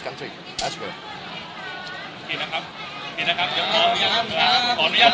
คุณคิดเรื่องนี้ได้ไหม